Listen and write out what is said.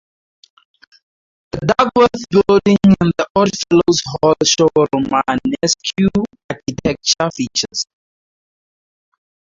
The Duckworth Building and the Odd Fellows Hall show Romanesque architecture features.